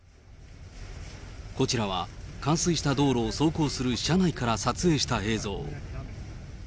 こちらは冠水した道路を走行する車内から撮影した映像。